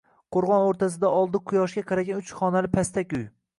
Qoʼrgʼon oʼrtasida oldi quyoshga qaragan uch xonali pastak uy.